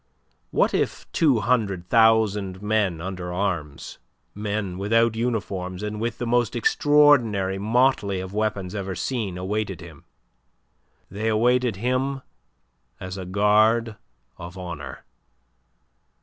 What if two hundred thousand men under arms men without uniforms and with the most extraordinary motley of weapons ever seen awaited him? They awaited him as a guard of honour.